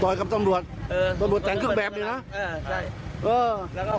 ต่อยกับจ้ำรวจจ้ำรวจแต่งเครื่องแบบหนึ่งนะ